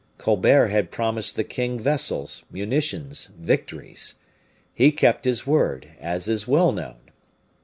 Colbert had promised the king vessels, munitions, victories. He kept his word, as is well known.